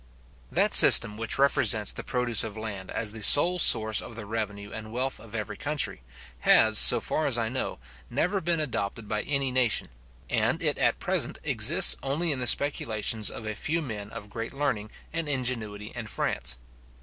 That system which represents the produce of land as the sole source of the revenue and wealth of every country, has so far as I know, never been adopted by any nation, and it at present exists only in the speculations of a few men of great learning and ingenuity in France.